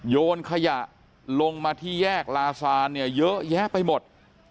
โยนขยะลงมาที่แยกลาซานเนี่ยเยอะแยะไปหมด